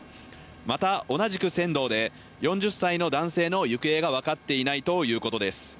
また、同じく船頭で４０歳の男性の行方が分かっていないということです。